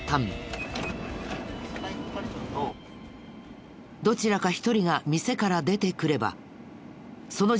どちらか一人が店から出てくればその時点で行動に移す。